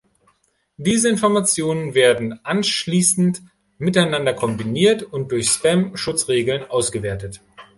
Diese Informationen werden anschließend miteinander kombiniert und durch Spam-Schutzregeln ausgewertet.